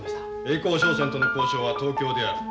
「栄光商船との交渉は東京でやる。